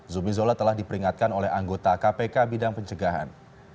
zumizola telah diperingatkan oleh anggota kpk bidang pencegahan